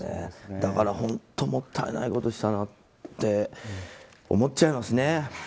だから本当もったいないことしたなって思っちゃいますね。